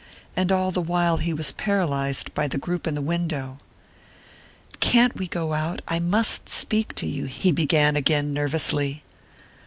And all the while he was paralyzed by the group in the window. "Can't we go out? I must speak to you," he began again nervously.